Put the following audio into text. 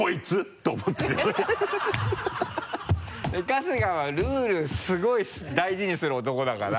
春日はルールすごい大事にする男だから。